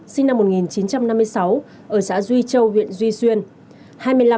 sinh năm một nghìn chín trăm năm mươi sáu ở xã duy châu huyện duy xuyên